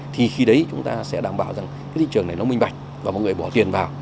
thì khi đấy chúng ta sẽ đảm bảo rằng cái thị trường này nó minh bạch và mọi người bỏ tiền vào